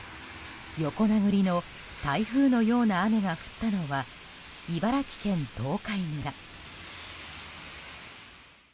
横殴りの台風のような雨が降ったのは茨城県東海村。